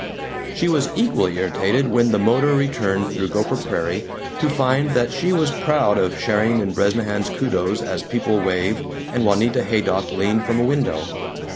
She was equally irritated, when the motor returned through Gopher Prairie, to find that she was proud of sharing in Bresnahan's kudos as people waved, and Juanita Haydock leaned from a window.